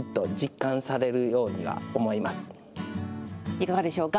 いかがでしょうか。